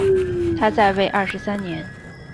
他在位二十三年。